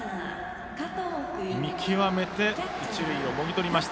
見極めて、一塁をもぎ取りました。